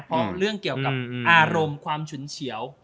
เพราะเรื่องเกี่ยวกับอารมณ์ความฉุนเฉียว